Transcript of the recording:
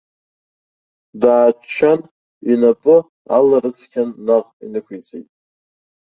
Дааччан, инапы аларыцқьан наҟ инықәиҵеит.